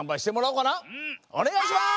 おねがいします！